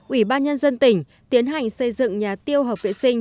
ủy ban nhân dân tỉnh tiến hành xây dựng nhà tiêu hợp vệ sinh